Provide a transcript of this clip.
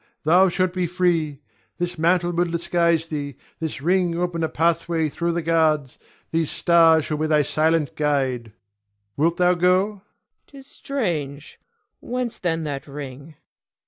Thou shalt be free. This mantle will disguise thee; this ring open a pathway through the guards; these stars shall be thy silent guide. Wilt thou go? Cleon. 'Tis strange! Whence then that ring?